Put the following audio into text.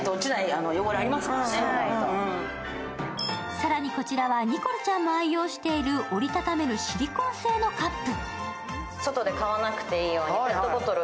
更にこちらはニコルちゃんも愛用している折り畳めるシリコン製のカップ。